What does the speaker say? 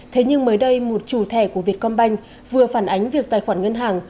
thế nhưng mới đây một chủ thẻ của vietcombank vừa phản ánh việc tài khoản ngân hàng